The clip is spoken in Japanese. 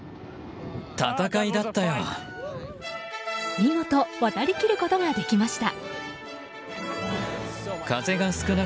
見事、渡りきることができました。